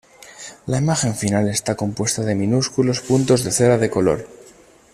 La imagen final está compuesta de minúsculos puntos de cera de color.